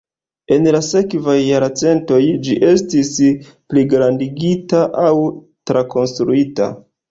En la sekvaj jarcentoj ĝi estis pligrandigita aŭ trakonstruita.